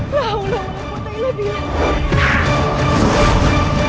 lah allah menempatkanlah dia